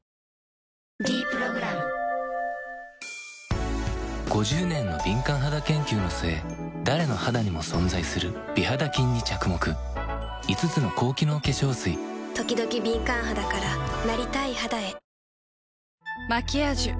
「ｄプログラム」５０年の敏感肌研究の末誰の肌にも存在する美肌菌に着目５つの高機能化粧水ときどき敏感肌からなりたい肌へ「マキアージュ」